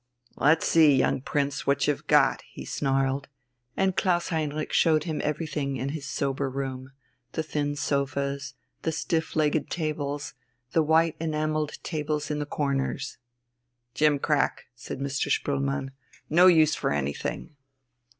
"Let's see, young Prince, what you've got," he snarled, and Klaus Heinrich showed him everything in his sober room the thin sofas, the stiff legged tables, the white enamelled tables in the corners. "Gimcrack," said Mr. Spoelmann, "no use for anything."